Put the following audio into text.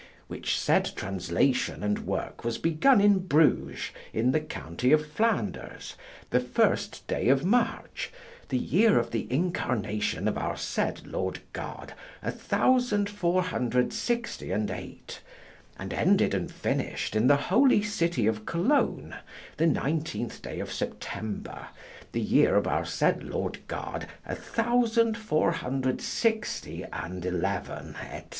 which said translation and work was begun in Bruges in the County of Flanders, the first day of March, the year of the Incarnation of our said Lord God a thousand four hundred sixty and eight, and ended and finished in the holy city of Cologne the 19th day of September, the year of our said Lord God a thousand four hundred sixty and eleven, etc.